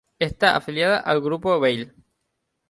Está afiliada al grupo Veil.